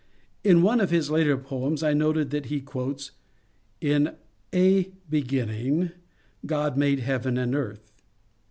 In one of his later poems I noted that he quotes, ^^ In a beginning God made heaven and earth."